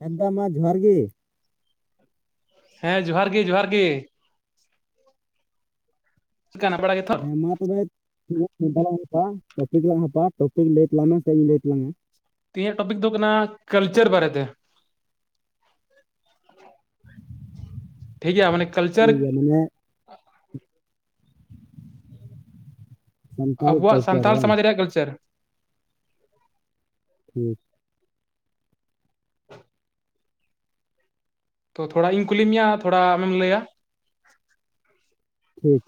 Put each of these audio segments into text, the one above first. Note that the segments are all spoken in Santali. ᱦᱮᱸ ᱫᱟ ᱢᱟ ᱡᱚᱦᱟᱨ ᱜᱮ ᱦᱮᱸ ᱡᱚᱦᱟᱨ ᱜᱮ ᱡᱚᱦᱟᱨ ᱜᱮ ᱜᱟᱱ ᱵᱟᱲᱟᱜ ᱦᱮᱸ ᱢᱟ ᱛᱚᱵᱮᱟᱞᱟᱝ ᱦᱟᱟ ᱴᱚᱯᱤᱠ ᱞᱟᱝ ᱦᱟᱛᱟᱟ ᱴᱚᱯᱤᱠ ᱞᱟᱹᱭ ᱛᱟᱞᱟᱝ ᱢᱮ ᱥᱮ ᱤᱧ ᱞᱟᱹᱭ ᱛᱟᱞᱟᱝᱟ ᱛᱮᱦᱮᱧᱟᱜ ᱴᱚᱯᱤᱠ ᱫᱚ ᱦᱩᱭᱩᱜ ᱠᱟᱱᱟ ᱠᱟᱞᱪᱟᱨ ᱵᱟᱨᱮᱛᱮ ᱴᱷᱤᱠ ᱜᱮᱭᱟ ᱢᱟᱱᱮ ᱠᱟᱞᱪᱟᱨ ᱴᱷᱤᱠ ᱜᱮᱭᱟ ᱢᱟᱱᱮ ᱥᱟᱱᱛᱟᱞ ᱟᱵᱚᱣᱟᱜ ᱠᱟᱞᱪᱟᱨ ᱥᱟᱱᱛᱟᱲ ᱵᱟᱝ ᱥᱚᱢᱟᱡᱽ ᱨᱮᱭᱟᱜ ᱠᱟᱞᱪᱟᱨ ᱴᱷᱤᱠ ᱛᱚ ᱛᱷᱚᱲᱟ ᱤᱧ ᱠᱩᱞᱤ ᱢᱮᱭᱟ ᱛᱷᱚᱲᱟ ᱟᱢᱮᱢ ᱞᱟᱹᱭᱟ ᱴᱷᱤᱠ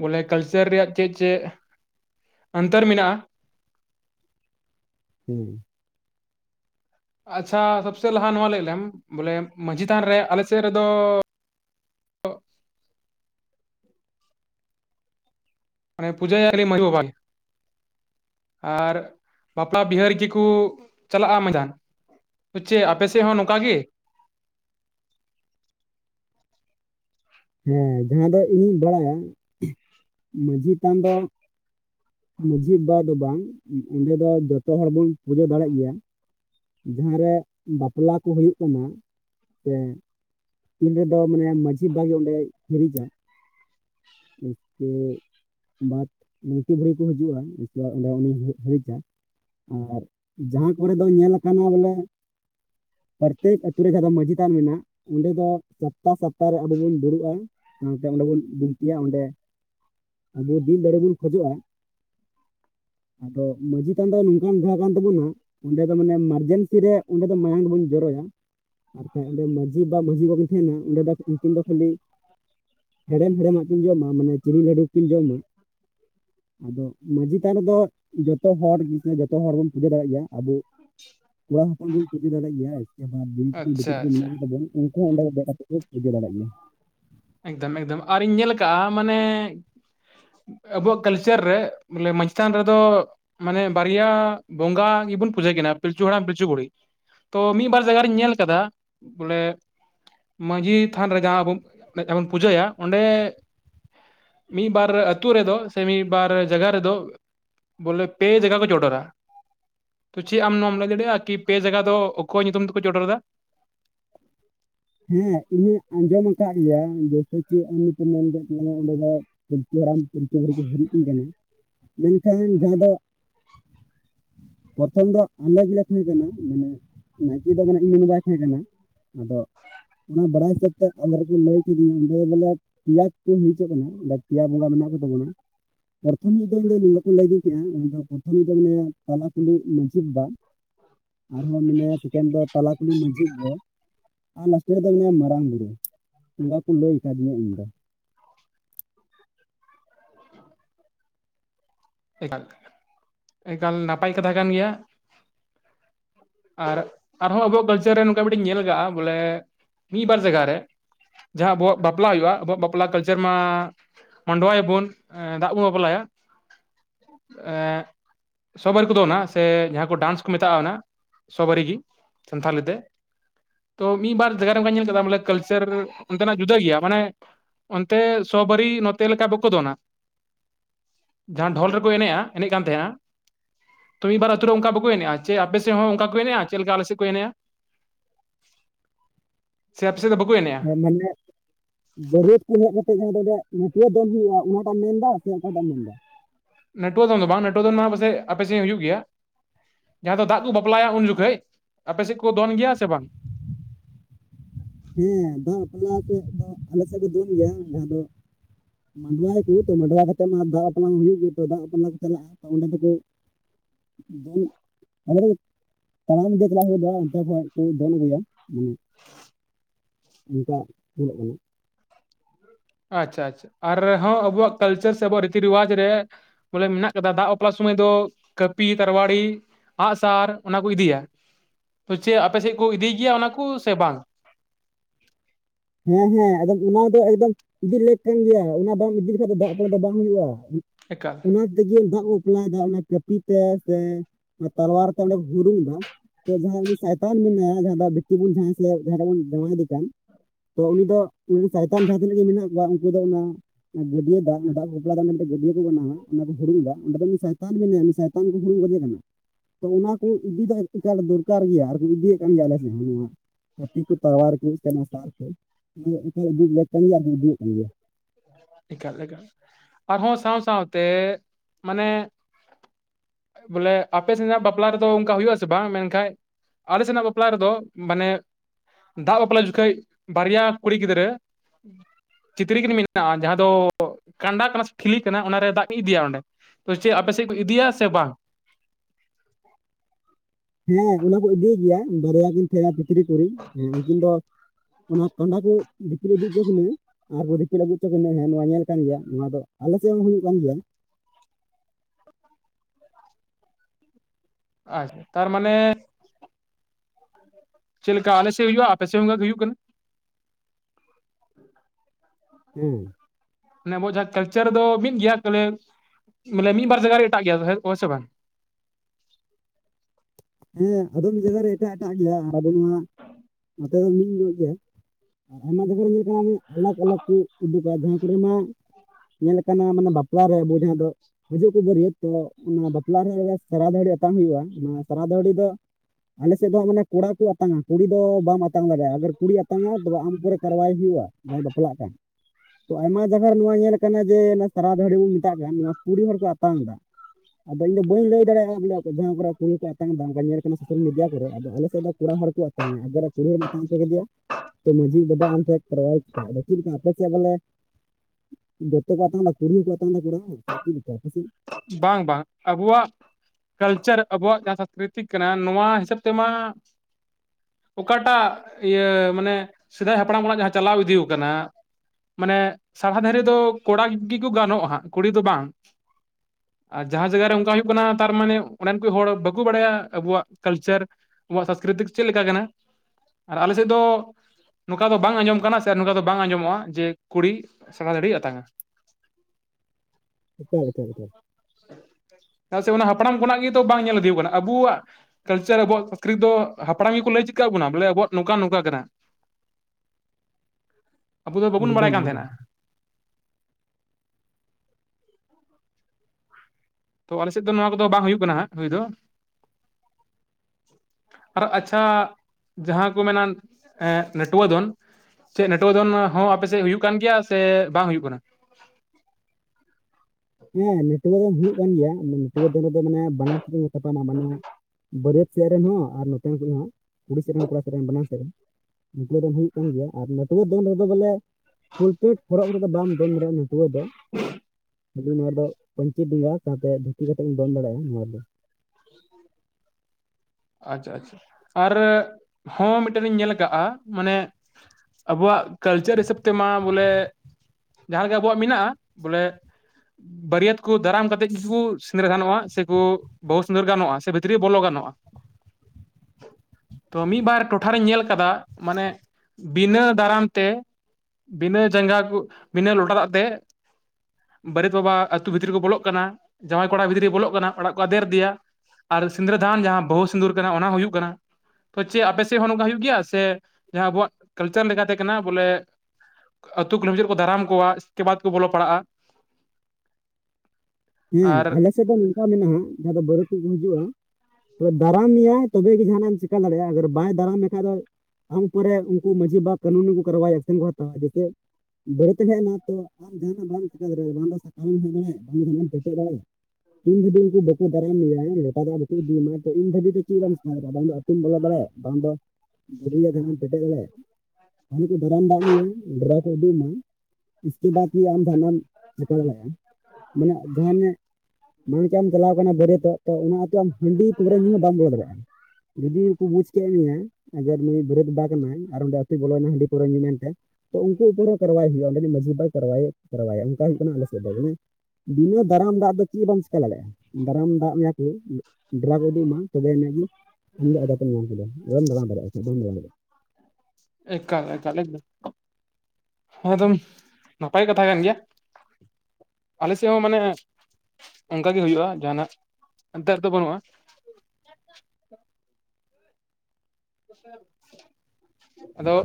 ᱵᱚᱞᱮ ᱠᱟᱞᱪᱟᱨ ᱨᱮᱭᱟᱜ ᱪᱮᱫ ᱪᱮᱫ ᱟᱱᱛᱟᱨ ᱢᱮᱱᱟᱜᱼᱟ ᱦᱮᱸ ᱟᱪᱪᱷᱟ ᱥᱚᱵᱮ ᱞᱟᱦᱟ ᱱᱚᱣᱟ ᱞᱟᱹᱭ ᱞᱮᱢ ᱵᱚᱞᱮ ᱢᱟᱺᱡᱷᱤ ᱛᱷᱟᱱ ᱨᱮ ᱟᱞᱮᱮᱥᱮᱫ ᱨᱮᱫᱚ ᱢ ᱯᱩᱡᱟᱟᱨ [unintelligible] ᱟᱨ ᱵᱟᱯᱞᱟ ᱵᱤᱦᱟᱹ ᱨᱮᱜᱮᱠᱩ ᱪᱟᱞᱟᱜᱼᱟ ᱢᱟᱡᱟᱱ ᱪᱮᱫ ᱟᱯᱮᱮᱥᱮᱫ ᱦᱚᱸ ᱱᱚᱝᱠᱟ ᱜᱮ ᱦᱮᱸ ᱡᱟᱦᱟᱸ ᱫᱚ ᱤᱧᱤᱧ ᱵᱟᱲᱟᱭᱟ ᱢᱟᱺᱡᱷᱤ ᱛᱷᱟᱱ ᱫᱚ ᱢᱟᱺᱡᱷᱤ ᱵᱟᱵᱟ ᱫᱚ ᱵᱟᱝ ᱚᱸᱰᱮ ᱫᱚ ᱡᱚᱛᱚ ᱦᱚᱲ ᱵᱚᱱ ᱯᱩᱡᱟᱹ ᱫᱟᱲᱮᱜ ᱜᱮᱭᱟ ᱡᱟᱦᱟᱸ ᱨᱮ ᱵᱟᱯᱞᱟ ᱠᱚ ᱦᱩᱭᱩᱜ ᱠᱟᱱᱟ ᱥᱮ ᱤᱱ ᱨᱮᱫᱚ ᱢᱟᱱᱮ ᱢᱟᱺᱡᱷᱤ ᱵᱟᱟᱜᱮ ᱚᱸᱰᱮ ᱦᱤᱲᱤᱡᱟ ᱠᱮ ᱵᱟᱸᱫ ᱱᱟᱩᱝᱠᱤ ᱵᱷᱩᱲᱤ ᱠᱚ ᱦᱤᱡᱩᱜᱼᱟ ᱚᱸᱰᱮ ᱩᱱᱤ ᱦᱲᱤᱡᱟ ᱟᱨ ᱡᱟᱦᱟᱸ ᱠᱚᱨᱮ ᱫᱚ ᱧᱮᱞ ᱟᱠᱟᱱᱟ ᱵᱚᱞᱮ ᱯᱨᱚᱛᱛᱮᱠ ᱟᱹᱛᱩ ᱨᱮ ᱡᱟᱦᱟᱸ ᱫᱚ ᱢᱟᱺᱡᱷᱤ ᱛᱷᱟᱱ ᱢᱮᱱᱟᱜᱼᱟ ᱚᱸᱰᱮ ᱫᱚ ᱥᱟᱯᱛᱟ ᱥᱟᱯᱛᱟ ᱨᱮ ᱟᱵᱚ ᱵᱚᱱ ᱫᱩᱲᱩᱵᱼᱟ ᱚᱸᱰᱮ ᱵᱚᱱ ᱵᱤᱱᱛᱤᱭᱟ ᱚᱸᱰᱮ ᱟᱵᱚ ᱫᱤᱞ ᱫᱟᱲᱮ ᱵᱚᱱ ᱠᱷᱚᱡᱚᱜᱼᱟ ᱟᱫᱚ ᱢᱟᱺᱡᱷᱤ ᱛᱷᱟᱱ ᱫᱚ ᱱᱚᱝᱠᱟᱱ ᱡᱟᱦᱟᱸ ᱠᱟᱱ ᱛᱟᱵᱚᱱᱟ ᱚᱸᱰᱮ ᱫᱚ ᱢᱟᱱᱮ ᱢᱟᱨᱡᱮᱱ ᱛᱤ ᱨᱮ ᱚᱸᱰᱮ ᱫᱚ ᱢᱟᱭᱟᱝ ᱵᱚᱱ ᱡᱚᱨᱚᱭᱟ ᱟᱨᱠᱟᱡ ᱫᱚ ᱢᱟᱺᱡᱷᱤ ᱵᱟ ᱢᱟᱺᱡᱷᱤ ᱵᱟᱵᱟ ᱠᱤᱱ ᱛᱟᱦᱮᱱᱟ ᱚᱸᱰᱮ ᱫᱚ ᱤᱧ ᱫᱚ ᱠᱷᱟᱹᱞᱤ ᱦᱮᱲᱮᱢ ᱦᱮᱲᱮᱢᱟᱜ ᱠᱤᱱ ᱡᱚᱢᱟ ᱢᱟᱱᱮ ᱪᱤᱱᱤ ᱞᱟᱹᱰᱩ ᱠᱤᱱ ᱡᱚᱢᱟ ᱾ ᱟᱫᱚ ᱢᱟᱺᱡᱷᱤ ᱛᱷᱟᱱ ᱨᱮᱫᱚ ᱡᱚᱛᱚ ᱦᱚᱲ ᱜᱤ ᱡᱚᱛᱚ ᱦᱚᱲ ᱵᱚᱱ ᱯᱩᱡᱟᱹ ᱫᱟᱲᱮᱭᱟᱜ ᱜᱮᱭᱟ ᱟᱵᱚ ᱠᱚᱲᱟ ᱦᱚᱯᱚᱱ ᱵᱚᱱ ᱯᱩᱡᱟᱹ ᱫᱟᱲᱮᱭᱟᱜ ᱜᱮᱭᱟ ᱥᱮ ᱵᱤᱱᱛᱤ ᱟᱪᱪᱷᱟ ᱟᱪᱪᱷᱟ ᱢᱮᱱᱟᱜ ᱠᱚᱛᱟᱵᱚᱱ ᱾ ᱦᱚᱴᱮᱸ ᱚᱸᱰᱮ ᱫᱚ ᱠᱟᱴᱤᱡ ᱵᱚ ᱯᱩᱡᱟᱹ ᱫᱟᱲᱮᱭᱟᱜ ᱜᱮᱭᱟ ᱾ ᱮᱠᱫᱚᱢ ᱮᱠᱫᱚᱢ ᱟᱨᱤᱧ ᱧᱮᱞ ᱠᱟᱜᱼᱟ ᱢᱟᱱᱮ ᱟᱵᱚᱣᱟᱜ ᱠᱟᱞᱪᱟᱨ ᱨᱮ ᱵᱚᱞᱮ ᱢᱟᱺᱡᱷᱤ ᱛᱷᱟᱱ ᱨᱮᱫᱚ ᱢᱟᱱᱮ ᱵᱟᱨᱭᱟ ᱵᱚᱸᱜᱟ ᱜᱮᱵᱚᱱ ᱯᱩᱡᱟᱹᱭ ᱠᱟᱱᱟ ᱯᱤᱞᱪᱩ ᱦᱟᱲᱟᱢ ᱯᱤᱞᱪᱩ ᱵᱩᱲᱦᱤ ᱾ ᱛᱚ ᱢᱤᱫ ᱵᱟᱨ ᱡᱟᱭᱜᱟ ᱨᱮ ᱤᱧ ᱧᱮᱞ ᱠᱟᱫᱟ ᱵᱚᱞᱮ ᱢᱟᱺᱡᱷᱤ ᱛᱷᱟᱱ ᱨᱮ ᱡᱟᱦᱟᱸ ᱟᱵᱚ ᱮᱠᱷᱟᱱ ᱯᱩᱡᱟᱹᱭᱟ ᱚᱸᱰᱮ ᱢᱤᱫ ᱵᱟᱨ ᱟᱹᱛᱩ ᱨᱮᱫᱚ ᱥᱮ ᱢᱤᱫ ᱵᱟᱨ ᱡᱟᱭᱜᱟ ᱨᱮᱫᱚ ᱵᱚᱞᱮ ᱯᱮ ᱡᱟᱜᱟ ᱠᱚ ᱪᱚᱰᱚᱨᱜᱼᱟ ᱾ ᱛᱚ ᱪᱮᱫ ᱟᱢ ᱱᱚᱣᱟᱢ ᱞᱟᱹᱭ ᱫᱟᱲᱮᱭᱟᱜᱼᱟ ᱠᱤ ᱯᱮ ᱡᱟᱭᱜᱟ ᱫᱚ ᱚᱠᱚᱭ ᱧᱩᱛᱩᱢ ᱛᱮᱠᱚ ᱪᱚᱰᱚᱨ ᱫᱟ? ᱦᱮᱸ ᱤᱧᱟᱜ ᱟᱸᱡᱚᱢ ᱠᱟᱜ ᱜᱮᱭᱟ ᱡᱮᱭᱥᱮ ᱠᱤ ᱟᱢ ᱱᱤᱛᱢ ᱢᱮᱱ ᱞᱚᱭᱫᱟ ᱯᱞᱪᱩ ᱦᱟᱲᱟᱢ ᱯᱤᱞᱪᱩ ᱵᱩᱲᱦᱤ ᱠᱚ ᱦᱩᱨᱤᱡ ᱠᱤᱧ ᱠᱟᱱᱟ ᱢᱮᱱᱠᱷᱟᱱ ᱡᱟᱦᱟᱸ ᱫᱚ ᱯᱨᱚᱛᱷᱚᱢ ᱫᱚ ᱟᱞᱮ ᱜᱮᱞᱮ ᱛᱟᱦᱮᱸ ᱠᱟᱱᱟ ᱢᱟᱱᱮ ᱾ ᱱᱟᱭᱠᱮ ᱫᱚ ᱢᱟᱱᱮ ᱤᱧ ᱵᱟᱵᱟᱭ ᱛᱟᱦᱮᱸ ᱠᱟᱱᱟ ᱟᱫᱚ ᱾ ᱚᱱᱟ ᱵᱟᱲᱟᱭ ᱥᱮᱫ ᱛᱮ ᱟᱭᱢᱟ ᱦᱚᱲ ᱠᱚ ᱞᱟᱹᱭ ᱠᱤᱫᱤᱧ ᱫᱚ ᱵᱚᱞᱮ ᱯᱮᱭᱟ ᱠᱚ ᱦᱤᱡᱚᱜ ᱠᱟᱱᱟ ᱯᱮᱭᱟ ᱵᱚᱸᱜᱟ ᱢᱮᱱᱟᱜ ᱠᱚᱛᱟ ᱵᱚᱱᱟ ᱾ ᱯᱚᱛᱷᱚᱢ ᱢᱤ ᱫᱚ ᱤᱧ ᱫᱚ ᱱᱚᱠᱟ ᱞᱟᱹᱭᱫᱤᱧ ᱛᱟᱦᱮᱸᱱᱟ ᱫᱚ ᱯᱨᱚᱛᱷᱚᱢ ᱫᱚ ᱢᱮᱮ ᱛᱟᱞᱟ ᱠᱩᱞᱦᱤ ᱢᱟᱺᱡᱷᱤ ᱵᱟᱵᱟᱜ ᱾ ᱟᱨᱦᱚᱸ ᱢᱮᱱᱟᱭᱟ ᱥᱮᱠᱮᱱ ᱫᱚ ᱛᱟᱞᱟ ᱠᱩᱞᱦᱤ ᱢᱟᱟᱹᱡᱷᱤ ᱵᱟ ᱾ ᱟᱨ ᱞᱟᱥᱴᱮ ᱨᱮᱫᱚ ᱢᱮᱱᱟᱭᱟ ᱢᱟᱨᱟᱝ ᱵᱩᱨᱩ ᱚᱱᱠᱟ ᱠᱚ ᱞᱟᱹᱭ ᱠᱟᱫᱤᱧᱟᱹ ᱤᱧ ᱫᱚ ᱾ ᱮ ᱮᱠᱟᱞ ᱱᱟᱯᱟᱭ ᱠᱟᱛᱷᱟ ᱠᱟᱱ ᱜᱮᱭᱟ ᱾ ᱟᱨ ᱟᱨᱦᱚᱸ ᱟᱵᱚᱣᱟᱜ ᱠᱟᱞᱪᱟᱨ ᱨᱮ ᱱᱚᱝᱠᱟ ᱢᱤᱫᱴᱤᱡ ᱧᱮᱞ ᱠᱟᱜᱼᱟ ᱵᱚᱞᱮ ᱢᱤᱫ ᱵᱟᱨ ᱡᱟᱭᱜᱟ ᱨᱮ ᱡᱟᱦᱟᱸ ᱟᱵᱚᱣᱟᱜ ᱵᱟᱯᱞᱟ ᱦᱩᱭᱩᱜᱼᱟ ᱟᱵᱚᱣᱟᱜ ᱵᱟᱯᱞᱟ ᱠᱟᱞᱪᱟᱨ ᱢᱟ ᱢᱟᱱᱰᱣᱟᱭᱟᱵᱚᱱ ᱫᱟᱜ ᱵᱚᱱ ᱵᱟᱯᱞᱟᱭᱟ ᱾ ᱥᱚᱵ ᱦᱚᱲ ᱠᱚᱫᱚ ᱚᱱᱟ ᱥᱮ ᱡᱟᱦᱟᱸ ᱠᱚ ᱰᱟᱱᱥ ᱠᱚ ᱢᱮᱛᱟᱜᱼᱟ ᱚᱱᱟ ᱾ ᱥᱚᱵᱟᱨᱜᱤ ᱥᱟᱱᱛᱷᱟᱞᱤ ᱛᱮ ᱾ ᱛᱚ ᱢᱤᱫ ᱵᱟᱨ ᱡᱟᱭᱜᱟ ᱨᱮ ᱚᱱᱠᱟᱧ ᱧᱮᱞ ᱠᱟᱫᱟ ᱵᱚᱞᱮ ᱠᱟᱞᱪᱟᱨ ᱚᱱᱛᱮᱱᱟᱜ ᱡᱩᱫᱟᱹ ᱜᱮᱭᱟ ᱢᱟᱱᱮ ᱚᱱᱛᱮ ᱥᱚᱵᱟᱨᱤ ᱱᱚᱛᱮ ᱞᱮᱠᱟ ᱵᱟᱠᱚ ᱫᱚᱱᱟ ᱡᱟᱦᱟᱸ ᱰᱷᱚᱞ ᱨᱮ ᱾ ᱮᱱᱮᱭᱼᱟ ᱮᱱᱮᱡ ᱠᱟᱱ ᱛᱟᱦᱮᱸᱼᱟ ᱛᱚ ᱢᱤᱫ ᱵᱟᱨ ᱟᱹᱛᱩ ᱨᱮ ᱚᱱᱠᱟ ᱵᱟᱠᱚ ᱮᱱᱮᱼᱟ ᱪᱮᱫ ᱟᱯᱮ ᱥᱮ ᱦᱚᱸᱚᱱᱠᱟ ᱠᱚ ᱮᱱᱮᱡᱼᱟ ᱪᱮ ᱞᱮᱠᱟ ᱟᱞᱮ ᱥᱮᱱ ᱠᱚ ᱮᱱᱮᱡᱼᱟ ᱾ ᱥᱮ ᱟᱯᱮ ᱥᱮᱫ ᱫᱚ ᱵᱟᱠᱚ ᱮᱱᱮᱟᱜ? ᱮᱱᱮ ᱵᱟᱹᱨᱭᱟᱹᱛ ᱠᱚ ᱮᱱᱮᱡ ᱠᱟᱛᱮᱜ ᱡᱟᱦᱟᱸ ᱫᱚ ᱱᱟᱹᱴᱭᱤᱭᱟᱹ ᱫᱚᱱ ᱦᱩᱭᱩᱜᱼᱟ ᱚᱱᱟᱴᱟᱜ ᱮᱢ ᱢᱮᱱ ᱫᱟ ᱥᱮ ᱚᱠᱟᱴᱟᱜ ᱮᱢ ᱢᱮᱱ ᱫᱟ ᱱᱟᱹᱴᱣᱟ ᱫᱚᱱ ᱫᱚ ᱵᱟᱝ ᱱᱟᱹᱴᱣᱟ ᱫᱚᱱ ᱫᱚ ᱯᱟᱥᱮ ᱟᱯᱮ ᱥᱮᱱ ᱦᱩᱭᱩᱜ ᱜᱮᱭᱟ ᱾ ᱡᱟᱦᱟᱸ ᱫᱚ ᱫᱟᱜ ᱠᱚ ᱵᱟᱯᱞᱟᱭᱟ ᱩᱱ ᱡᱚᱠᱷᱚᱭ ᱟᱯᱮ ᱥᱮᱱ ᱠᱚ ᱫᱚᱱ ᱜᱮᱭᱟ ᱥᱮ ᱵᱟᱝ? ᱦᱮᱸ ᱫᱟᱜ ᱵᱟᱯᱞᱟ ᱠᱚ ᱫᱚ ᱟᱞᱮ ᱥᱮᱱ ᱠᱚ ᱫᱚᱱ ᱜᱮᱭᱟ ᱡᱟᱦᱟᱸ ᱫᱚ ᱢᱟᱰᱣᱟᱭ ᱯᱩᱨᱟᱹᱣ ᱛᱚ ᱢᱟᱰᱣᱟ ᱠᱟᱛᱮᱫ ᱢᱟ ᱟᱨ ᱫᱟᱜ ᱵᱟᱯᱞᱟ ᱦᱚᱸ ᱦᱩᱭᱩᱜ ᱜᱮ ᱛᱚ ᱫᱟᱜ ᱵᱟᱯᱞᱟ ᱠᱚ ᱪᱟᱞᱟᱜᱼᱟ ᱾ ᱚᱸᱰᱮ ᱫᱚᱠᱚ ᱟᱞᱮ ᱛᱟᱲᱟᱢ ᱵᱟᱯᱞᱟ ᱦᱩᱭᱼᱟ ᱜᱮᱭᱟ ᱛᱚᱠᱷᱚᱡ ᱠᱚ ᱫᱚᱱ ᱜᱮᱭᱟ ᱚᱱᱠᱟ ᱧᱮᱞᱚᱜ ᱠᱟᱱᱟ᱾ ᱟᱪᱪᱷᱟ ᱟᱪᱪᱷᱟ ᱟᱨᱦᱚᱸ ᱟᱵᱚᱣᱟᱜ ᱠᱟᱞᱪᱟᱨ ᱥᱮ ᱟᱵᱚᱣᱟᱜ ᱨᱤᱛᱤ ᱨᱮᱣᱟᱡᱽ ᱨᱮ ᱵᱚᱞᱮ ᱢᱮᱱᱟᱜ ᱠᱟᱫᱟ ᱫᱟᱜ ᱵᱟᱯᱞᱟ ᱥᱩᱢᱚᱭ ᱫᱚ ᱠᱟᱹᱯᱤ ᱛᱟᱨᱣᱟᱲᱤ ᱟᱸᱜᱼᱥᱟᱨ ᱚᱱᱟ ᱠᱚ ᱤᱫᱤᱭᱟ ᱛᱚ ᱪᱮᱫ ᱟᱯᱮ ᱥᱮᱫ ᱠᱚ ᱤᱫᱤᱭ ᱜᱮᱭᱟ ᱚᱱᱟ ᱠᱚ ᱥᱮ ᱵᱟᱝ? ᱦᱮᱸ ᱦᱮᱸ ᱮᱠᱫᱚᱢ ᱚᱱᱟ ᱫᱚ ᱮᱠᱫᱚᱢ ᱤᱫᱤ ᱞᱮᱠ ᱠᱟᱱ ᱜᱮᱭᱟ ᱚᱱᱟ ᱵᱟᱢ ᱤᱫᱤ ᱫᱟᱜ ᱫᱚ ᱵᱟᱝ ᱦᱩᱭᱩᱜᱼᱟ ᱮᱠᱟᱞ ᱚᱱᱟ ᱛᱮᱜᱮ ᱫᱟᱜ ᱵᱟᱯᱞᱟᱭ ᱫᱟ ᱚᱱᱟ ᱠᱟᱹᱯᱤ ᱛᱮ ᱥᱮ ᱚᱱᱟ ᱛᱟᱨᱣᱟᱨ ᱛᱮ ᱚᱸᱰᱮ ᱦᱩᱨᱩᱝ ᱫᱟ ᱾ ᱛᱚ ᱡᱟᱸᱦᱟ ᱩᱱᱤ ᱥᱚᱭᱛᱟᱱ ᱢᱮᱱᱟᱭᱟ ᱡᱟᱦᱟᱸ ᱫᱚ ᱵᱚᱱ ᱵᱚᱦᱮᱞᱮ ᱠᱟᱱ ᱛᱚ ᱩᱱᱤ ᱫᱚ ᱩᱱ ᱥᱚᱭᱛᱟᱱ ᱡᱟᱦᱟᱸ ᱛᱤᱱᱟᱹᱜ ᱜᱮ ᱢᱮᱱᱟᱜ ᱠᱚᱣᱟ ᱩᱱᱠᱩ ᱫᱚ ᱚᱱᱟ ᱜᱟᱹᱰᱭᱟᱹ ᱫᱟᱜ ᱫᱟᱜ ᱵᱟᱯᱞᱟ ᱢᱮᱱ ᱫᱚ ᱜᱟᱹᱰᱭᱟᱹ ᱜᱮ ᱵᱮᱱᱟᱣᱟ ᱚᱱᱟ ᱠᱚ ᱦᱩᱲᱩᱝ ᱫᱫᱟ ᱚᱸᱰᱮ ᱥᱟᱭᱛᱟᱞ ᱢᱮᱱᱟᱭᱟ [inaudible] ᱛᱚ ᱚᱱᱟ ᱠᱚ ᱤᱫᱤ ᱫᱚ ᱮᱠᱟᱞ ᱫᱚᱨᱠᱟᱨ ᱜᱮᱭᱟ ᱟᱨ ᱠᱚ ᱤᱫᱤᱭᱮᱫ ᱠᱟᱱ ᱜᱮᱭᱟ ᱟᱞᱮ ᱥᱮᱫ ᱦᱚᱸ ᱱᱚᱣᱟ ᱠᱟᱹᱯᱤ ᱠᱚ ᱛᱟᱨᱣᱟᱨ ᱠᱚ ᱥᱮ ᱥᱟᱨ ᱠᱚ [inaudible] ᱠᱟᱱ ᱜᱮᱭᱟ ᱟᱨ ᱤᱫᱤᱭᱮᱫ ᱠᱟᱱ ᱜᱮᱭᱟ ᱮᱠᱟᱞ ᱮᱠᱟᱞ ᱟᱨᱦᱚᱸ ᱥᱟᱶ ᱥᱟᱶᱛᱮ ᱢᱟᱱᱮ ᱵᱚᱞᱮ ᱟᱯᱮ ᱥᱮᱫᱟᱜ ᱵᱟᱯᱞᱟ ᱨᱮᱫᱚ ᱚᱱᱠᱟ ᱦᱩᱭᱩᱜ ᱟᱥᱮ ᱵᱟᱝ ᱢᱮᱱ ᱠᱷᱟᱡ ᱟᱞᱮ ᱥᱮᱱᱟᱜ ᱵᱟᱯᱞᱟ ᱨᱮᱫᱚ ᱢᱟᱱᱮ ᱫᱟᱜ ᱵᱟᱯᱞᱟ ᱡᱚᱠᱷᱮᱡ ᱵᱟᱨᱮᱭᱟ ᱠᱩᱲᱤ ᱜᱤᱫᱽᱨᱟᱹ ᱪᱤᱛᱨᱤ ᱠᱤᱱ ᱢᱮᱱᱟᱜᱼᱟ ᱡᱟᱦᱟᱸ ᱫᱚ ᱠᱟᱸᱰᱟ ᱠᱟᱱᱟ ᱥᱮ ᱴᱷᱤᱞᱤ ᱠᱟᱱᱟ ᱚᱱᱟ ᱨᱮ ᱫᱟᱜ ᱠᱤᱱ ᱤᱫᱤᱭᱟ ᱚᱸᱰᱮ ᱪᱮᱫ ᱟᱯᱮ ᱥᱮᱫ ᱠᱚ ᱤᱫᱤᱭᱟ ᱥᱮ ᱵᱟᱝ ᱦᱮᱸ ᱚᱱᱟ ᱠᱚ ᱤᱫᱤᱭᱮ ᱜᱮᱭᱟ ᱵᱟᱨᱮᱭᱟ ᱠᱤᱱ ᱛᱟᱦᱮᱸ ᱟ ᱛᱤᱛᱨᱤ ᱠᱩᱲᱤ ᱦᱮᱸ ᱩᱱᱠᱤᱱ ᱫᱚ ᱚᱱᱟ ᱠᱟᱸᱰᱟ ᱠᱚ ᱫᱤᱯᱤᱞ ᱤᱫᱤ ᱦᱚᱪᱚ ᱠᱤᱱᱟ ᱟᱨ ᱫᱤᱯᱤᱞ ᱟᱹᱜᱩ ᱦᱚᱪᱚ ᱠᱤᱱᱟ ᱦᱮᱸ ᱱᱚᱣᱟ ᱧᱮᱞ ᱠᱟᱱ ᱜᱮᱭᱟ ᱱᱚᱣᱟ ᱫᱚ ᱟᱞᱮ ᱥᱮᱫ ᱦᱚᱸ ᱦᱩᱭᱩᱜ ᱠᱟᱱ ᱜᱮᱭᱟ ᱟᱪᱪᱷᱟ ᱛᱟᱨ ᱢᱟᱱᱮ ᱪᱮᱫ ᱞᱮᱠᱟ ᱟᱞᱮ ᱥᱮᱫ ᱦᱩᱭᱩᱜᱼᱟ ᱟᱯᱮ ᱥᱮᱫ ᱚᱱᱠᱟ ᱜᱮ ᱦᱩᱭᱩᱜ ᱠᱟᱱᱟ ᱦᱩᱸ ᱢᱟᱱᱮ ᱟᱵᱚᱣᱟᱜ ᱡᱟᱦᱟᱸ ᱠᱟᱞᱪᱟᱨ ᱫᱚ ᱢᱤᱫ ᱜᱮᱭᱟ ᱵᱚᱞᱮ ᱢᱟᱱᱮ ᱢᱤᱫ ᱵᱟᱨ ᱡᱟᱭᱟ ᱨᱮ ᱮᱴᱟᱜ ᱜᱮᱭᱟ ᱦᱮᱸᱥ ᱥᱮ ᱵᱟᱝ ᱦᱮᱸ ᱟᱫᱚᱢ ᱡᱟᱭᱜᱟ ᱨᱮ ᱮᱴᱟᱜ ᱮᱴᱟᱜ ᱜᱮᱭᱟ ᱟᱨ ᱟᱵᱚ ᱱᱚᱣᱟ ᱱᱚᱛᱮ ᱫᱚ ᱢᱤᱫ ᱧᱚᱜ ᱜᱮᱭᱟ ᱟᱨ ᱟᱭᱢᱟ ᱡᱟᱭᱜᱟ ᱨᱮ ᱧᱮᱞ ᱠᱟᱱᱟ ᱟᱞᱟᱜᱽ ᱟᱞᱟᱜᱽ ᱠᱚ ᱩᱰᱩᱜᱠᱚᱜᱼᱟ ᱡᱟᱦᱟᱸ ᱠᱚᱨᱮ ᱢᱟ ᱧᱮᱞ ᱠᱟᱱᱟ ᱢᱟᱱᱮ ᱵᱟᱯᱞᱟ ᱨᱮ ᱟᱵᱚ ᱡᱟᱦᱟᱸ ᱫᱚ ᱦᱤᱡᱩᱜ ᱠᱚ ᱵᱟᱹᱨᱭᱟᱹᱛ ᱛᱚ ᱚᱱᱟ ᱵᱟᱯᱞᱟ ᱨᱮ ᱥᱟᱞᱟ ᱫᱟᱹᱲᱦᱤ ᱟᱛᱟᱝ ᱦᱩᱭᱩᱜᱼᱟ ᱚᱱᱟ ᱥᱟᱞᱟ ᱫᱟᱹᱦᱤᱲᱤ ᱫᱚ ᱟᱞᱮ ᱥᱮᱫ ᱫᱚ ᱦᱟᱸᱜ ᱢᱟᱱᱮ ᱠᱚᱲᱟ ᱠᱚ ᱟᱛᱟᱝ ᱟ ᱠᱩᱲᱤ ᱫᱚ ᱵᱟᱢ ᱟᱛ ᱟᱛᱟᱝ ᱫᱟᱲᱮᱭᱟᱜᱼᱟ ᱟᱜᱟᱨ ᱠᱩᱲᱤ ᱟᱛᱟᱝ ᱟ ᱛᱚᱵᱮ ᱟᱢ ᱩᱯᱚᱨᱮ ᱠᱟᱨᱣᱟᱭ ᱦᱩᱭᱩᱜᱼᱟ ᱡᱟᱦᱟᱸᱭ ᱵᱟᱯᱞᱟᱜ ᱠᱟᱱ ᱛᱚ ᱟᱭᱢᱟ ᱡᱟᱭᱜᱟ ᱨᱮ ᱱᱚᱣᱟ ᱧᱮᱞ ᱠᱟᱱᱟ ᱡᱮ ᱥᱟᱞᱟ ᱫᱟᱹᱲᱤᱦᱤ ᱢᱮᱛᱟᱜ ᱠᱟᱱ ᱱᱚᱣᱟ ᱠᱩᱲᱤ ᱦᱚᱲ ᱠᱚ ᱟᱛᱟᱝ ᱫᱟ ᱟᱫᱚ ᱤᱧ ᱫᱚ ᱵᱟᱹᱧ ᱞᱟᱹᱭ ᱫᱟᱲᱮᱭᱟᱜᱼᱟ [inaudible] ᱡᱟᱦᱟᱸ ᱠᱚᱨᱮ ᱠᱩᱲᱤ ᱠᱚ ᱵᱟᱝ ᱠᱟ ᱧᱮᱞ ᱠᱟᱱᱟ ᱥᱳᱥᱟᱞ ᱢᱤᱰᱤᱭᱟ ᱠᱚᱨᱮ ᱟᱫᱚ ᱟᱞᱮ ᱥᱮᱫ ᱫᱚ ᱠᱚᱲᱟ ᱦᱚᱲ ᱠᱚ ᱟᱛᱟᱝ ᱟ ᱟᱜᱟᱨ ᱠᱩᱲᱤᱢ ᱟᱛᱟᱝ ᱪᱚ ᱠᱮᱫᱮᱭᱟ ᱛᱚ ᱢᱟᱡᱷᱤ ᱵᱟᱵᱟ ᱟᱢ ᱫᱚ [unintelligible] ᱟᱫᱚ ᱪᱮᱫ ᱞᱮᱠᱟ ᱟᱯᱮ ᱥᱮᱫ ᱵᱚᱞᱮ ᱡᱚᱛᱚ ᱠᱚ ᱟᱛᱟᱝ ᱫᱟ ᱠᱩᱲᱤ ᱦᱚᱸᱠᱚ ᱟᱛᱟᱝ ᱫᱟ ᱠᱚᱲᱟ ᱦᱚᱸ ᱪᱮᱫ ᱞᱮᱠᱟ ᱟᱯᱮ ᱥᱮᱫ ᱵᱟᱝ ᱵᱟᱝ ᱟᱵᱚᱣᱟᱜ ᱠᱟᱞᱪᱟᱨ ᱟᱵᱚᱣᱟᱜ ᱡᱟᱦᱟᱸ ᱥᱟᱝᱥᱠᱨᱤᱛᱤᱠ ᱠᱟᱱᱟ ᱱᱚᱣᱟ ᱦᱤᱥᱟᱹᱵ ᱛᱮᱢᱟ ᱚᱠᱟᱴᱟᱜ ᱤᱭᱟᱹ ᱢᱟᱱᱮ ᱥᱮᱫᱟᱭ ᱦᱟᱯᱲᱟᱢ ᱠᱷᱚᱱᱟᱜ ᱡᱟᱦᱟᱸ ᱪᱟᱞᱟᱣ ᱤᱫᱤᱭᱳ ᱠᱟᱱᱟ ᱢᱟᱱᱮ ᱥᱟᱨᱟ ᱫᱟᱹᱲᱦᱤ ᱫᱚ ᱠᱚᱲᱟ ᱜᱮᱠᱚ ᱜᱟᱱᱚᱜᱼᱟ ᱦᱟᱸᱜ ᱠᱩᱲᱤ ᱫᱚ ᱵᱟᱝ ᱟᱨ ᱡᱟᱦᱟᱸ ᱡᱟᱭᱜᱟ ᱨᱮ ᱚᱱᱠᱟ ᱦᱩᱭᱩᱜ ᱠᱟᱱᱟ ᱛᱟᱨ ᱢᱟᱱᱮ ᱚᱸᱰᱮᱱ ᱠᱚ ᱦᱚᱲ ᱵᱟᱠᱚ ᱵᱟᱲᱟᱭᱟ ᱟᱵᱚᱣᱟᱜ ᱠᱟᱞᱪᱟᱨ ᱟᱵᱚᱣᱟᱜ ᱥᱟᱝᱥᱠᱨᱤᱛᱤᱠ ᱪᱮᱫ ᱞᱮᱠᱟ ᱠᱟᱱᱟ ᱟᱨ ᱟᱞᱮ ᱥᱮᱫ ᱫᱚ ᱱᱚᱝᱠᱟ ᱫᱚ ᱵᱟᱝ ᱟᱸᱡᱚᱢ ᱠᱟᱱᱟ ᱥᱮ ᱱᱚᱝᱠᱟ ᱫᱚ ᱵᱟᱝ ᱟᱸᱡᱚᱢᱚᱜᱼᱟ ᱡᱮ ᱠᱩᱲᱤ ᱥᱟᱞᱟ ᱫᱟᱹᱲᱦᱤᱭ ᱟᱛᱟᱝ ᱟ [inaudible] ᱪᱮᱫᱟᱜ ᱥᱮ ᱚᱱᱟ ᱦᱟᱯᱲᱟᱢ ᱠᱷᱚᱱᱟᱜ ᱜᱮᱛᱚ ᱵᱟᱝ ᱧᱮᱞ ᱤᱫᱤ ᱠᱟᱱᱟ ᱟᱵᱩᱣᱟᱜ ᱠᱟᱞᱪᱟᱨ ᱟᱵᱚᱣᱟᱜ ᱥᱚᱝᱥᱠᱨᱤᱛ ᱫᱚ ᱦᱟᱯᱲᱟᱢ ᱜᱮᱠᱚ ᱞᱟᱹᱭ ᱪᱮᱫ ᱠᱟᱜ ᱵᱚᱱᱟ ᱵᱚᱞᱮ ᱟᱵᱚᱣᱟᱜ ᱱᱚᱝᱠᱟ ᱱᱚᱝᱠᱟ ᱠᱟᱱᱟ [unintelligible] ᱟᱵᱚ ᱫᱚ ᱵᱟᱵᱚᱱ ᱵᱟᱲᱟᱭ ᱮᱠᱫᱚᱢ ᱠᱟᱱ ᱮᱠᱫᱚᱢ ᱛᱟᱸᱦᱮᱱᱟ [inaudible] ᱛᱚ ᱟᱞᱮ ᱥᱮᱫ ᱫᱚ ᱱᱚᱣᱟ ᱠᱚᱫᱚ ᱵᱟᱝ ᱦᱩᱭᱩᱜ ᱠᱟᱱᱟ ᱦᱟᱸᱜ ᱦᱩᱭ ᱫᱚ [inaudible] ᱟᱨ ᱟᱪᱪᱷᱟ ᱡᱟᱦᱟᱸ ᱠᱚ ᱢᱮᱱᱟ ᱱᱟᱴᱣᱟᱹ ᱫᱚᱱ ᱪᱮᱫ ᱱᱹᱴᱣᱟᱹᱫᱚᱱ ᱦᱚᱸ ᱟᱯᱮᱥᱮᱫ ᱦᱩᱭᱩᱜ ᱠᱟᱱ ᱜᱮᱭᱟ ᱥᱮ ᱵᱟᱝ ᱦᱩᱭᱩᱜ ᱠᱟᱱᱟ ᱦᱮᱸ ᱱᱮᱴᱣᱟᱨᱠ ᱫᱚ ᱦᱩᱭᱩᱜ ᱠᱟᱱ ᱜᱮᱭᱟ ᱱᱣᱟᱨᱠ ᱫᱚ ᱫᱚ ᱢᱟᱱᱮ ᱵᱟᱱᱟᱣ ᱥᱟᱯᱟᱢᱟ ᱢᱟᱱᱮ ᱵᱟᱹᱨᱭᱟᱹᱛ ᱥᱮᱫ ᱨᱮᱱ ᱦᱚᱸ ᱟᱨ ᱱᱚᱛᱮᱱ ᱠᱚ ᱦᱚᱸ ᱠᱩᱲᱤ ᱥᱮᱮᱫ ᱨᱮᱱ ᱠᱚᱲᱟ ᱥᱮᱮᱫ ᱨᱮᱱ ᱵᱟᱱᱟᱨ ᱥᱮᱮᱫ ᱨᱮᱱ ᱱᱟᱟᱹᱴᱣᱟᱹ ᱫᱚᱱ ᱦᱩᱭᱩᱜ ᱠᱟᱱ ᱜᱮᱭᱟ ᱟᱨ ᱱᱟᱹᱴᱣᱟᱹ ᱫᱚᱱ ᱨᱮᱫᱚ ᱵᱚᱞᱮ ᱯᱷᱩᱞ ᱯᱮᱴ ᱦᱚᱨᱚᱜ ᱨᱮᱮᱫ ᱫᱚ ᱵᱟᱢ ᱫᱚᱱ ᱫᱟᱲᱮᱭᱟᱜᱼᱟ ᱱᱟᱹᱴᱩᱣᱟᱹ ᱫᱚ [inaudible] ᱟᱫᱚ ᱱᱚᱣᱟ ᱨᱮ ᱫᱚ ᱯᱟᱹᱧᱪᱤ ᱰᱮᱸᱜᱟ ᱥᱟᱶᱛᱮ ᱫᱷᱩᱛᱤ ᱠᱟᱛᱮ ᱤᱧ ᱵᱚᱱ ᱫᱟᱲᱮᱭᱟᱜᱼᱟ ᱱᱚᱣᱟ ᱨᱮᱫᱚ [inaudible] ᱟᱪᱪᱷᱟ ᱟᱪᱪᱷᱟ ᱟᱨ ᱦᱚᱸ ᱢᱤᱫᱴᱮᱱ ᱤᱧ ᱧᱮᱞ ᱠᱟᱜᱼᱟ ᱢᱟᱱᱮ ᱟᱵᱚᱣᱟᱜ ᱠᱟᱞᱪᱟᱨ ᱦᱤᱥᱟᱹᱵ ᱛᱮᱢᱟ ᱵᱚᱞᱮ ᱡᱟᱦᱟᱸ ᱜᱮ ᱟᱵᱚᱣᱟᱜ ᱢᱮᱱᱟᱜᱼᱟ, ᱵᱚᱞᱮ ᱵᱟᱹᱨᱭᱟᱹᱛ ᱠᱚ ᱫᱟᱨᱟᱢ ᱠᱟᱛᱮ [unintelligible] ᱥᱮᱸᱫᱽᱨᱟ ᱜᱟᱱᱚᱜᱼᱟ ᱥᱮᱠᱩ ᱵᱟᱹᱥ ᱵᱤᱨ ᱜᱟᱱᱚᱜᱼᱟ ᱥᱮ ᱵᱷᱤᱛᱨᱤ ᱵᱚᱞᱚ ᱜᱟᱱᱚᱜᱼᱟ᱾ ᱛᱚ ᱢᱤ-ᱵᱟᱨ ᱴᱚᱴᱷᱟ ᱨᱤᱧ ᱧᱮᱞ ᱟᱠᱟᱫᱟ ᱢᱟᱱᱮ ᱵᱤᱱᱟᱹ ᱫᱟᱨᱟᱢ ᱛᱮ ᱵᱤᱱᱟᱹ ᱡᱟᱸᱜᱟ ᱟᱵᱩᱜ ᱵᱤᱱᱟᱹ ᱞᱚᱴᱟ ᱫᱟᱜ ᱛᱮ ᱵᱟᱹᱨᱮᱛ ᱵᱟᱵᱟ ᱟᱹᱛᱩ ᱵᱷᱤᱛᱤᱨ ᱠᱚ ᱵᱚᱞᱚᱜ ᱠᱟᱱᱟ ᱡᱟᱶᱟᱭ ᱠᱚᱲᱟ ᱵᱷᱤᱛᱨᱤ ᱵᱚᱞᱚᱜ ᱠᱟᱱᱟ ᱚᱲᱟᱜ ᱠᱚ ᱟᱫᱮᱨ ᱟᱫᱮᱭᱟ᱾ ᱟᱨ ᱥᱤᱸᱫᱽᱨᱟᱹ ᱫᱟᱱ ᱡᱟᱦᱟᱸ ᱵᱟᱹᱦᱩ ᱥᱤᱸᱫᱩᱨ ᱠᱟᱱᱟ ᱚᱱᱟ ᱦᱚᱸ ᱦᱩᱭᱩᱜ ᱠᱟᱱᱟ᱾ ᱛᱚ ᱪᱮᱜ ᱟᱯᱮ ᱥᱮᱜ ᱦᱚᱸ ᱱᱚᱝᱠᱟ ᱦᱳᱭᱳᱜ ᱜᱮᱭᱟ ᱥᱮ ᱡᱟᱦᱟᱸ ᱟᱵᱚᱣᱟᱜ ᱠᱟᱹᱞᱪᱟᱨ ᱞᱮᱠᱟ ᱛᱮ ᱠᱟᱱᱟ ᱵᱚᱞᱮ᱾ ᱟᱹᱛᱩ ᱠᱩᱞᱦᱤ ᱢᱩᱪᱟᱹᱫ ᱨᱮ ᱠᱚ ᱫᱟᱨᱟᱢ ᱠᱚᱣᱟ ᱤᱥᱠᱮ ᱵᱟᱫ ᱠᱚ ᱵᱚᱞᱚ ᱯᱟᱲᱟᱜᱼᱟ᱾ ᱦᱮᱸ ᱟᱨ ᱟᱞᱮ ᱥᱮᱫ ᱫᱚ ᱱᱚᱝᱠᱟ ᱢᱚᱱᱮ ᱦᱚᱭ ᱡᱟᱦᱟᱸ ᱫᱚ ᱵᱟᱹᱨᱮᱛᱚᱜ ᱠᱚ ᱦᱤᱡᱩᱜᱼᱟ ᱛᱚ ᱫᱟᱨᱟᱢ ᱢᱮᱭᱟᱭ ᱛᱚᱵᱮ ᱜᱮ ᱡᱟᱦᱟᱱᱟᱜ ᱮᱢ ᱪᱤᱠᱟᱹ ᱫᱟᱲᱮᱭᱟᱜᱼᱟ ᱟᱨ ᱵᱟᱭ ᱫᱟᱨᱟᱢ ᱢᱮᱠᱷᱟᱡ ᱫᱚ ᱦᱳᱭ ᱯᱚᱨᱮ ᱩᱱᱠᱩ ᱢᱟᱺᱡᱷᱤ ᱵᱟᱵᱟ ᱠᱟᱹᱢᱤ ᱞᱟᱜᱤᱜ ᱠᱚ ᱨᱚᱲᱟ ᱥᱮ ᱟᱛᱟᱣᱟ ᱡᱮᱥᱮ ᱵᱟᱹᱲᱮᱛᱚᱢ ᱦᱮᱡᱱᱟ ᱛᱚ ᱟᱢ ᱡᱟᱦᱟᱱᱟᱜ ᱵᱟᱢ ᱪᱤᱠᱟᱹ ᱫᱟᱲᱮᱭᱟᱜᱼᱟ, ᱵᱟᱝ ᱫᱚ ᱥᱟᱠᱟᱢ ᱮᱢ ᱦᱮᱡ ᱫᱟᱲᱮᱭᱟᱜᱼᱟ ᱵᱟᱝ ᱫᱚ ᱡᱟᱦᱟᱱᱟᱜ ᱮᱢ ᱯᱮᱴᱮᱡ ᱫᱟᱲᱮᱭᱟᱜ᱾ ᱛᱤᱱ ᱦᱟᱵᱤᱡ ᱩᱱᱠᱩ ᱵᱟᱠᱩ ᱫᱟᱨᱟᱢ ᱢᱮᱭᱟ, ᱞᱚᱴᱟ ᱫᱟᱜ ᱵᱟᱠᱩ ᱤᱫᱤ ᱟᱢᱟ ᱛᱚ ᱩᱱᱠᱩ ᱫᱷᱟᱹᱵᱤᱡ ᱫᱟ ᱪᱮᱫ ᱦᱚ ᱵᱟᱢ ᱪᱤᱠᱟᱹ ᱫᱟᱲᱮᱭᱟᱜᱼᱟ᱾ ᱵᱟᱝ ᱫᱚ ᱟᱹ ᱛᱩᱢ ᱵᱚᱞᱚ ᱫᱟᱲᱮᱭᱟᱜᱼᱟ ᱵᱟᱝ ᱫᱚ ᱵᱩᱨᱩ ᱞᱮ ᱡᱟᱸᱦᱟᱱᱟᱢ ᱯᱮᱴᱮᱡ ᱫᱟᱲᱮᱜ᱾ ᱦᱟᱱᱮ ᱠᱚ ᱫᱟᱨᱟᱢ ᱫᱟᱜ ᱢᱮᱭᱟ ᱰᱮᱨᱟ ᱠᱚ ᱩᱫᱩᱜ ᱟᱢᱟ᱾ ᱤᱥᱠᱮ ᱵᱟᱫ ᱜᱮ ᱟᱢ ᱡᱟᱦᱟᱱᱟᱜ ᱮᱢ ᱪᱤᱠᱟᱹ ᱫᱟᱲᱮᱭᱟᱜᱼᱟ, ᱢᱟᱱᱮ ᱡᱟᱦᱟᱱᱟᱜ ᱢᱟᱱᱮ ᱠᱟᱢ ᱪᱟᱞᱟᱣ ᱠᱟᱱᱟ ᱵᱟᱹᱨᱭᱟᱹᱛᱚᱜ ᱛᱚ ᱚᱱᱟ ᱟᱛᱩ ᱟᱢ ᱦᱟᱺᱰᱤ ᱯᱟᱹᱣᱨᱟᱹ ᱧᱩ ᱦᱚᱸ ᱵᱟᱢ ᱵᱚᱞᱚ ᱫᱟᱲᱮᱭᱟᱜᱼᱟ᱾ ᱡᱩᱫᱤ ᱠᱩ ᱵᱩᱡ ᱠᱮᱜ ᱢᱮᱭᱟ ᱟᱜᱟᱨ ᱱᱩᱭ ᱵᱟᱹᱨᱮᱛ ᱵᱟ ᱠᱟᱱᱟᱭ ᱟᱨ ᱚᱸᱰᱮ ᱟᱹᱛᱩ ᱵᱚᱞᱚᱭᱮᱱᱟ ᱦᱟᱺᱰᱤ ᱯᱟᱹᱣᱨᱟᱹ ᱧᱩ ᱢᱮᱱᱛᱮ᱾ ᱛᱚ ᱩᱱᱠᱩ ᱩᱯᱚᱨ ᱨᱮ ᱠᱟᱨᱣᱟᱭ ᱦᱩᱭᱩᱜᱼᱟ ᱚᱸᱰᱮᱱᱤᱡ ᱢᱟᱹᱡᱷᱤ ᱵᱟᱵᱟᱭ ᱠᱟᱨᱣᱟᱭ ᱮ ᱠᱚᱨᱟᱣᱟ ᱚᱱᱠᱟ ᱦᱩᱭᱩᱜ ᱠᱟᱱᱟ ᱟᱞᱮ ᱥᱮᱫ ᱫᱚ᱾ ᱵᱤᱱᱟᱹ ᱫᱟᱨᱟᱢ ᱫᱟᱜ ᱛᱮ ᱪᱤᱜ ᱵᱟᱢ ᱪᱮᱠᱟ ᱫᱟᱲᱮᱜᱼᱟ᱾ ᱫᱟᱨᱟᱢ ᱫᱟᱜ ᱢᱮᱭᱟ ᱠᱚ ᱰᱮ ᱰᱮᱨᱟ ᱠᱚ ᱩᱫᱩᱜ ᱟᱢᱟ᱾ ᱛᱚᱵᱮ ᱤᱱᱟᱹᱜ ᱜᱤ ᱩᱱ ᱫᱚ ᱟᱫᱚ ᱠᱚ ᱧᱟᱢ ᱠᱮᱫᱟ ᱟ ᱵᱟᱢ ᱫᱟᱲᱮᱭᱟᱜᱼᱟ [unintelligible] ᱮᱠᱟᱞ ᱮᱠᱟᱞ ᱮᱠᱫᱚᱢ᱾ ᱦᱮᱸ ᱫᱚᱢ ᱱᱟᱯᱟᱭ ᱠᱟᱛᱷᱟ ᱠᱟᱱ ᱜᱮᱭᱟ᱾ ᱟᱞᱮ ᱥᱮᱜ ᱦᱚᱸ ᱢᱟᱱᱮ ᱚᱱᱠᱟ ᱜᱮ ᱦᱩᱭᱩᱜᱼᱟ ᱡᱟᱦᱟᱱᱟᱜ ᱫᱚᱨ ᱫᱚ ᱵᱟᱹᱱᱩᱜᱼᱟ᱾ ᱟᱫᱚ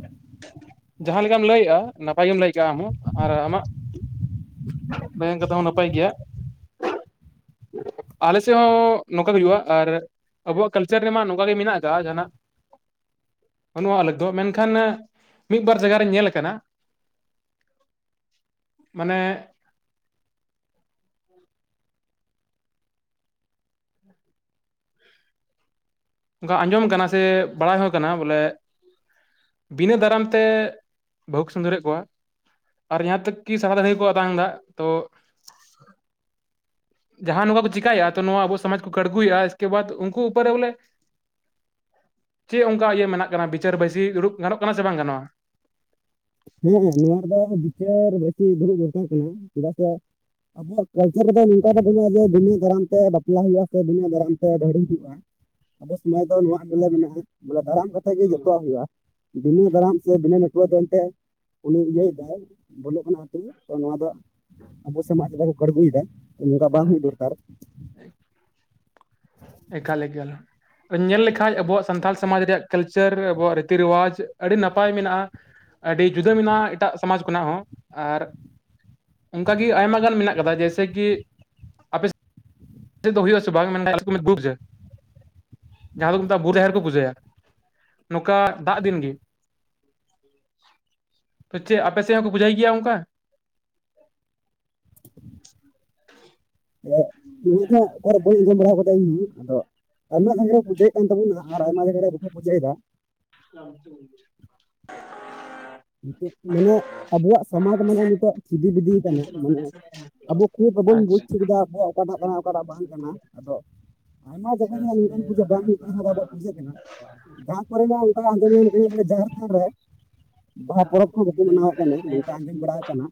ᱡᱟᱦᱟᱸ ᱞᱮᱠᱟᱢ ᱞᱟᱹᱭᱮᱜᱼᱟ ᱱᱟᱯᱟ ᱜᱮᱢ ᱞᱟᱹᱭ ᱠᱟᱜ ᱟᱢᱦᱚᱸ ᱟᱨ ᱟᱢᱟᱜ ᱱᱚᱣᱟ ᱠᱟᱛᱷᱟ ᱦᱚᱸ ᱱᱟᱯᱟᱭ ᱜᱮᱭᱟ᱾ ᱟᱞᱮ ᱥᱮᱜ ᱦᱚᱸ ᱱᱚᱝᱠᱟ ᱜᱮ ᱦᱩᱭᱩᱜᱼᱟ᱾ ᱟᱨ ᱟᱵᱩᱣᱟᱜ ᱠᱟᱞᱪᱟᱨ ᱨᱮᱢᱟ ᱱᱚᱝᱠᱟ ᱜᱮ ᱢᱮᱱᱟᱜ ᱟᱠᱟᱜᱼᱟ ᱡᱟᱦᱟᱱᱟᱜ᱾ ᱵᱟᱱᱩᱜᱼᱟ ᱟᱞᱮ ᱫᱚ ᱢᱮᱱᱠᱷᱟᱱ ᱢᱤᱫ-ᱵᱟᱨ ᱡᱟᱭᱜᱟ ᱨᱮ ᱧᱮᱞ ᱟᱠᱟᱱᱟ᱾ ᱢᱟᱱᱮ ᱜᱟ ᱟᱸᱡᱚᱢ ᱠᱟᱱᱟ ᱥᱮ ᱵᱟᱲᱟᱭ ᱦᱚᱸ ᱠᱟᱱᱟ ᱵᱚᱞᱮ ᱵᱤᱱᱟᱹ ᱫᱟᱨᱟᱢ ᱛᱮ ᱵᱟᱹᱦᱩ ᱠᱩ ᱥᱤᱸᱫᱩᱨᱮᱜ ᱠᱚᱣᱟ᱾ ᱟᱨ ᱡᱟᱦᱟᱸ ᱛᱟᱹᱠ ᱠᱤ ᱥᱟᱫᱟ ᱫᱟᱹᱲᱦᱤ ᱠᱚ ᱟᱛᱟᱝ ᱫᱟ ᱛᱚ ᱡᱟᱦᱟᱸ ᱱᱚᱝᱠᱟ ᱠᱚ ᱪᱮᱠᱟᱭᱟ ᱛᱚ ᱱᱚᱣᱟ ᱟᱵᱚ ᱥᱚᱢᱟᱡᱽ ᱠᱚ ᱠᱟᱬᱜᱩᱭᱮᱜᱼᱟ ᱮᱥᱠᱮ ᱵᱟᱫ ᱩᱱᱠᱩ ᱩᱯᱟᱹᱨᱮ ᱵᱚᱞᱮ ᱪᱮᱜ ᱚᱱᱠᱟ ᱤᱭᱟᱹ ᱢᱮᱱᱟᱜ ᱠᱟᱱᱟ ᱵᱤᱪᱟᱹᱨ ᱵᱟᱹᱭᱥᱤ ᱫᱩᱲᱩᱵ ᱜᱟᱱᱚᱜ ᱠᱟᱱᱟ ᱥᱮ ᱵᱟᱝ ᱜᱟᱱᱚᱜᱼᱟ? ᱦᱮᱸ ᱟᱜ ᱱᱚᱣᱟ ᱨᱮᱫᱚ ᱵᱤᱪᱟᱹᱨ ᱵᱟᱹᱭᱥᱤ ᱫᱩᱲᱩᱵ ᱫᱚᱨᱠᱟᱨ ᱠᱟᱱᱟ ᱪᱮᱫᱟᱜ ᱥᱮ ᱟᱵᱚᱣᱟᱜ ᱠᱟᱞᱪᱟᱨ ᱨᱮᱫᱚ ᱱᱩᱝᱠᱟ ᱫᱚ ᱵᱟᱹᱱᱩᱜᱼᱟ ᱡᱮ ᱵᱤᱱᱟᱹ ᱫᱟᱨᱟᱢ ᱛᱮ ᱵᱟᱯᱞᱟ ᱦᱩᱭᱩᱜᱼᱟ ᱥᱮ ᱵᱤᱱᱟᱹ ᱫᱟᱨᱟᱢ ᱛᱮ ᱫᱟᱹᱦᱲᱤ ᱦᱩᱭᱩᱜᱼᱟ᱾ ᱟᱵᱚ ᱥᱚᱢᱚᱡ ᱫᱚ ᱱᱚᱣᱟᱜ ᱵᱚᱞᱮ ᱢᱮᱱᱟᱜ-ᱟ ᱵᱚᱞᱮ ᱫᱟᱨᱟᱢ ᱠᱚᱛᱮ ᱜᱮ ᱡᱚᱛᱚᱣᱟᱜ ᱦᱩᱭᱩᱜ-ᱟ, ᱵᱤᱱᱟᱹ ᱫᱟᱨᱟᱢ ᱥᱮ ᱵᱤᱱᱟᱹ ᱱᱟᱹᱴᱣᱟᱹ ᱫᱚᱱ ᱛᱮ ᱩᱱᱤ ᱤᱭᱟᱹᱭ ᱫᱟᱭ ᱵᱚᱞᱚᱜ ᱠᱟᱱᱟ ᱟᱛᱩ ᱜᱮ ᱱᱚᱣᱟ ᱫᱚ ᱟᱵᱚ ᱥᱚᱢᱟᱡᱽ ᱨᱮᱠᱚ ᱠᱟᱬᱜᱩᱭᱫᱟ ᱱᱚᱝᱠᱟ ᱵᱟᱝ ᱦᱩᱭᱩᱜ ᱫᱚᱨᱠᱟᱨ᱾ ᱮᱠᱟᱞ ᱮᱜᱟᱞ᱾ ᱧᱮᱞ ᱞᱮᱠᱷᱟᱡ ᱟᱵᱚᱣᱟᱜ ᱥᱟᱱᱛᱟᱲ ᱥᱚᱢᱟᱡᱽ ᱨᱮᱭᱟᱜ ᱠᱟᱞᱪᱟᱨ ᱟᱵᱚᱣᱟᱜ ᱨᱤᱛᱤ ᱨᱮᱣᱟᱡᱽ ᱟᱹᱰᱤ ᱱᱟᱯᱟᱭ ᱢᱮᱱᱟᱜ-ᱟ᱾ ᱟᱹᱰᱤ ᱡᱩᱫᱟᱹ ᱢᱮᱱᱟᱜ-ᱟ ᱮᱴᱟᱜ ᱥᱚᱢᱟᱡᱽ ᱠᱷᱚᱱᱟᱜ ᱦᱚᱸ, ᱟᱨᱼᱼ ᱚᱱᱠᱟᱜᱮ ᱟᱭᱢᱟ ᱜᱟᱱ ᱢᱮᱱᱟᱜ ᱠᱟᱫᱟ ᱡᱮᱭᱥᱮ ᱠᱤ ᱟᱯᱮ ᱥᱮᱫ ᱟᱯᱮ ᱥᱮᱫ ᱫᱚ ᱦᱩᱭᱩᱜ- ᱟ ᱥᱮ ᱵᱟᱝ ᱢᱮᱱᱠᱷᱟᱡ ᱟᱞᱮ ᱥᱮᱜ ᱠᱚ ᱵᱩᱡᱟᱹ, ᱡᱟᱦᱟᱸ ᱫᱚ ᱠᱚ ‌ᱢᱮᱛᱟᱜ-ᱟ ᱵᱩ ᱡᱟᱦᱮᱨ ᱠᱚ ᱯᱩᱡᱟᱹᱭᱟ᱾ ᱱᱚᱠᱟ ᱫᱟᱜ ᱫᱤᱱ ᱜᱤ᱾ [inaudible] ᱯᱟᱪᱮᱜ ᱟᱯᱮ ᱥᱮᱜ ᱦᱚᱸᱠᱚ ᱯᱩᱡᱟᱹᱭ ᱜᱮᱭᱟ ᱚᱱᱠᱟ? [inaudible] ᱤᱧ ᱫᱚ ᱦᱟᱸᱜ ᱚᱠᱟᱨᱮ ᱵᱟᱹᱧ ᱟᱸᱡᱚᱢ ᱵᱟᱲᱟ ᱠᱟᱫᱟ ᱤᱧ ᱜᱤ ᱾ ᱟᱫᱚᱼᱼ ᱟᱭᱢᱟ ᱡᱟᱭᱜᱟ ᱨᱮ ᱯᱩᱡᱟᱹᱭ ᱠᱟᱱ ᱛᱟᱵᱚᱱᱟ ᱟᱨ ᱟᱭᱢᱟ ᱡᱟᱭᱜᱟ ᱨᱮ ᱵᱟᱠᱚ ᱯᱩᱡᱟᱹᱭ ᱫᱟ᱾ [inaudible] ᱱᱤᱛᱚᱜ ᱢᱟᱱᱮ ᱟᱵᱚᱣᱟᱜ ᱥᱚᱢᱟᱡᱽ ᱢᱟᱱᱮ ᱱᱤᱛᱚᱜ ᱪᱷᱤᱫᱤ ᱵᱤᱫᱤᱭ ᱠᱟᱱᱟ ᱢᱟᱱᱮᱼᱼ ᱟᱵᱚ ᱠᱷᱩᱫᱽ ᱵᱟᱹᱵᱩᱱ ᱵᱩᱡᱽ ᱟᱪᱪᱷᱟ ᱴᱷᱤᱠ ᱫᱟ ᱟᱵᱚᱣᱟᱜ ᱚᱠᱟᱴᱟᱜ ᱠᱟᱱᱟ ᱚᱠᱟᱴᱟᱜ ᱵᱟᱝ ᱠᱟᱱᱟ ᱟᱫᱚᱼᱼ ᱟᱭᱢᱟ ᱡᱟᱭᱜᱟ ᱧᱮᱞ ᱚᱱᱠᱟᱱ ᱯᱩᱡᱟᱹ ᱵᱟᱝ ᱦᱩᱭᱩᱜ ᱠᱟᱱ ᱨᱮ ᱦᱚᱸ ᱟᱵᱚᱣᱟᱜ ᱯᱩᱡᱟᱹ ᱠᱟᱱᱟ, ᱵᱟᱝᱼᱼᱼ ᱠᱚᱨᱮ ᱱᱟᱜ ᱚᱱᱠᱟ [unintelligible] ᱵᱚᱞᱮ ᱡᱮ ᱡᱟᱦᱮᱨ ᱛᱷᱟᱱ ᱨᱮᱼᱼ ᱵᱟᱦᱟ ᱯᱚᱨᱚᱵᱽ ᱠᱚ ᱦᱚᱸ ᱵᱟᱠᱚ ᱢᱟᱱᱟᱣᱮᱜ ᱠᱟᱱᱟ ᱱᱚᱝᱠᱟ ᱟᱸᱡᱚᱢ ᱵᱟᱲᱟᱣ ᱟᱠᱟᱱᱟᱼ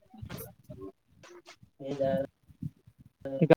[inaudible] ᱤᱧ ᱟᱨᱼᱼ ᱪᱤᱠᱟᱼᱼ